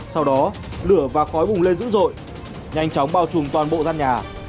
sau đó lửa và khói bùng lên dữ dội nhanh chóng bao trùm toàn bộ gian nhà